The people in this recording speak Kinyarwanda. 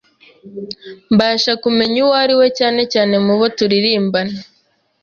mbasha kumenya uwo ariwe cyane cyane mu bo turirimbana.